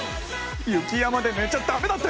雪山で寝ちゃダメだって！